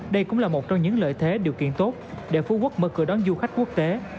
đây cũng là một trong những lợi thế điều kiện tốt để phú quốc mở cửa đón du khách quốc tế